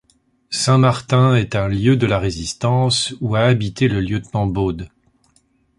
Saint-Martin est un lieu de la résistance où a habité le lieutenant Baude.